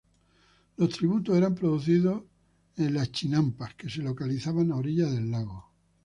Los tributos eran producidos en las chinampas que se localizaban a orillas del lago.